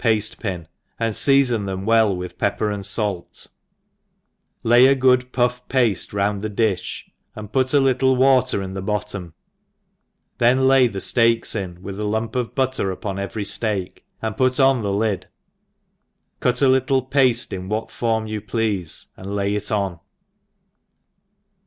pafte pin, and fcafon tnem well with pepper*' and fait, lay a good puff pafte round the dim, irid puta little water in the bottom, then lay the (leaks In, vfith a Junrpof butter upon every ftfeak, and put on the lid, cut a little pafte ia tvhat form you 'pleafe, ^nd lay it on.